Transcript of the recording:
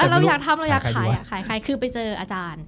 เราอยากทำเราอยากขายคือไปเจออาจารย์